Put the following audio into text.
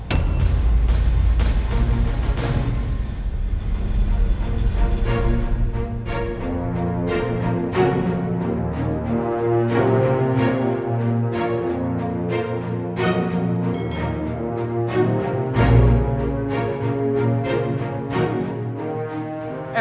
tangan tanggung jawab